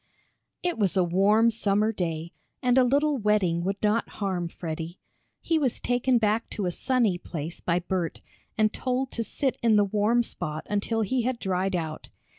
It was a warm summer day and a little wetting would not harm Freddie. He was taken back to a sunny place by Bert, and told to sit in the warm spot until he had dried out.